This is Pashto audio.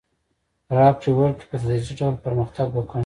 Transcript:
راکړې ورکړې په تدریجي ډول پرمختګ وکړ.